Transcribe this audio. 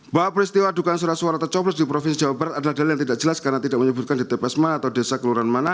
bahwa peristiwa dugaan surat suara tercoblos di provinsi jawa barat adalah dalil yang tidak jelas karena tidak menyebutkan di tps mana atau desa kelurahan mana